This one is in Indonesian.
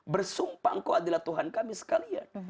bersumpah engkau adalah tuhan kami sekalian